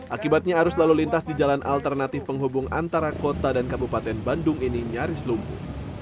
akibatnya arus lalu lintas di jalan alternatif penghubung antara kota dan kabupaten bandung ini nyaris lumpuh